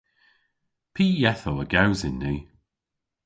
Py yethow a gewsyn ni?